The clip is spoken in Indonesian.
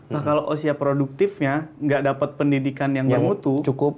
nah kalau usia produktifnya nggak dapat pendidikan yang bermutu cukup